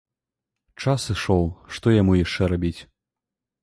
Час ішоў, што яму яшчэ рабіць.